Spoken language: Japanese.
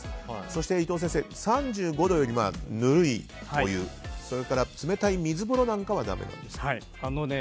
そして、伊藤先生３５度よりぬるいというそれから冷たい水風呂なんかはだめなんですか？